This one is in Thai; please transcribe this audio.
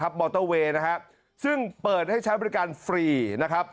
มอเตอร์เวย์นะฮะซึ่งเปิดให้ใช้บริการฟรีนะครับ